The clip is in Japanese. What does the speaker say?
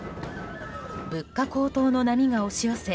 物価高騰の波が押し寄せ